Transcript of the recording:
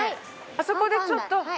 あそこでちょっと。